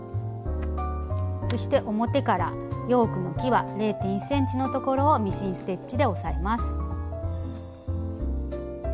そして表からヨークのきわ０．１ｃｍのところをミシンステッチで押さえます。